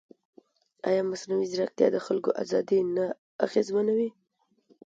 ایا مصنوعي ځیرکتیا د خلکو ازادي نه اغېزمنوي؟